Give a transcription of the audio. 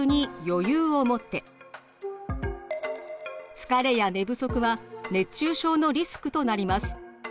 疲れや寝不足は熱中症のリスクとなります。